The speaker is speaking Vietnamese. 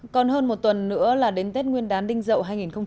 còn hơn một tuần nữa là đến tết nguyên đán đinh dậu hai nghìn một mươi bảy